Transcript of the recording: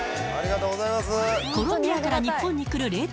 コロンビアから日本に来る冷凍